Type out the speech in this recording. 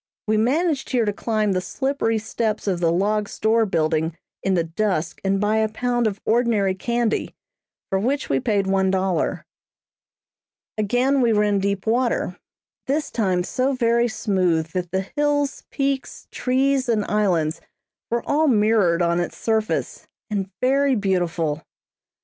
We managed here to climb the slippery steps of the log store building in the dusk and buy a pound of ordinary candy, for which we paid one dollar. Again we were in deep water. This time so very smooth that the hills, peaks, trees and islands were all mirrored on its surface, and very beautiful.